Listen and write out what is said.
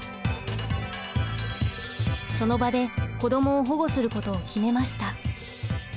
その場で子どもを保護することを決めました。